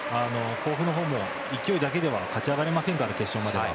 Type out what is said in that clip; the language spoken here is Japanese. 甲府も勢いだけでは勝ち上がれませんから決勝までは。